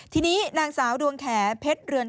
ทีนี้นางสาวดวงแขผลจริวัลทอง